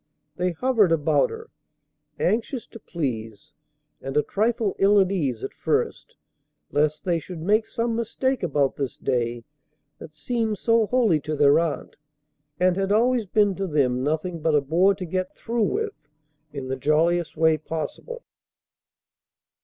They hovered about her, anxious to please, and a trifle ill at ease at first lest they should make some mistake about this day that seemed so holy to their aunt and had always been to them nothing but a bore to get through with in the jolliest way possible.